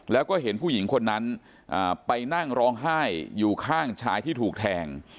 แล้วก็เห็นผู้หญิงคนนั้นไปนั่งร้องไห้อยู่ข้างชายที่ถูกแทง